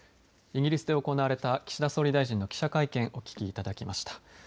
イギリスで行われた岸田総理大臣の記者会見、お聞きいただきました。